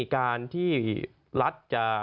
การที่รัฐจะ